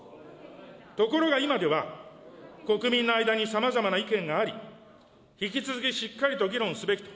ところが今では、国民の間にさまざまな意見があり、引き続きしっかりと議論すべきと。